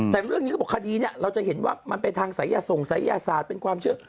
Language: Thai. แต่เรื่องนี้เขาบอกคดีนี้เราจะเห็นว่ามันเป็นทางศัยส่งศัยยศาสตร์เป็นความเชื่อ